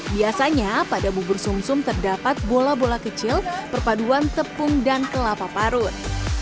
biasanya pada bubur sum sum terdapat bola bola kecil perpaduan tepung dan kelapa parut